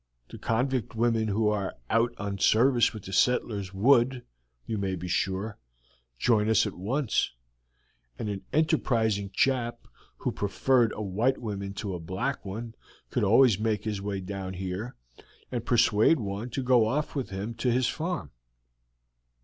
The convict women who are out on service with the settlers would, you may be sure, join us at once, and an enterprising chap who preferred a white woman to a black could always make his way down here and persuade one to go off with him to his farm.